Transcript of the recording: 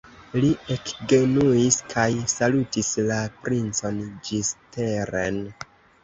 Li ekgenuis kaj salutis la princon ĝisteren.